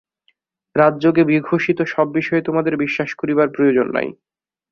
রাজযোগে বিঘোষিত সব বিষয়ে তোমাদের বিশ্বাস করিবার প্রয়োজন নাই।